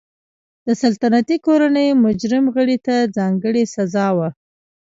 د سلطنتي کورنۍ مجرم غړي ته ځانګړې سزا وه.